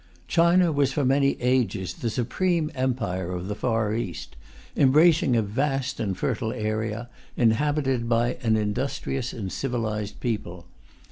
China was for many ages the supreme empire of the Far East, embracing a vast and fertile area, inhabited by an industrious and civilized people.